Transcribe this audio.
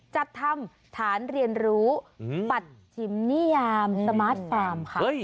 จัดทำฐานเรียนรู้ปัจฉิมนิยามสมาร์ทฟาร์มค่ะ